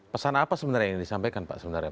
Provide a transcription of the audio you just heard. pesan apa yang disampaikan